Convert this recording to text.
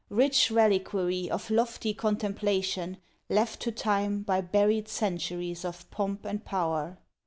Rich reliquary Of lofty contemplation left to Time By buried centuries of pomp and power!